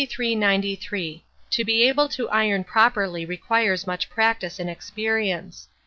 To be able to iron properly requires much practice and experience.